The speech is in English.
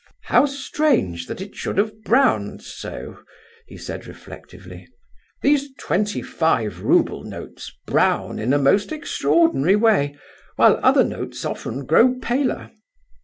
"How strange that it should have browned so," he said, reflectively. "These twenty five rouble notes brown in a most extraordinary way, while other notes often grow paler.